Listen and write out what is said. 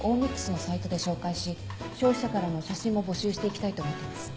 Ｍｉｘのサイトで紹介し消費者からの写真も募集して行きたいと思っています。